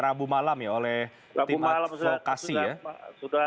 rabu malam ya oleh tim advokasi ya